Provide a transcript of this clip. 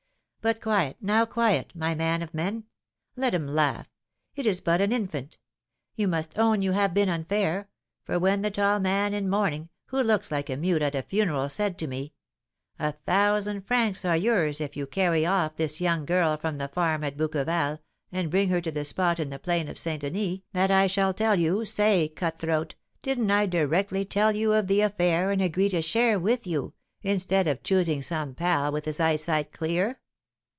But quiet, now, quiet, my man of men; let him laugh, it is but an infant. You must own you have been unfair; for when the tall man in mourning, who looks like a mute at a funeral, said to me, 'A thousand francs are yours if you carry off this young girl from the farm at Bouqueval, and bring her to the spot in the Plain of St. Denis that I shall tell you,' say, cut throat, didn't I directly tell you of the affair and agree to share with you, instead of choosing some 'pal' with his eyesight clear?